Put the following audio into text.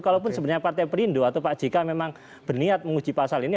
kalaupun sebenarnya partai perindo atau pak jk memang berniat menguji pasal ini